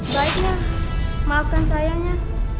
baiknya maafkan sayangnya